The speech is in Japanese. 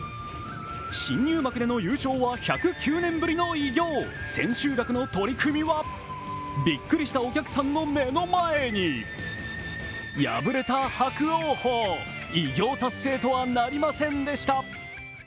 新入幕での優勝は１０９年ぶりの偉業千秋楽の取組はびっくりしたお客さんの目の前に敗れた伯桜鵬偉業達成とはなりませんでした。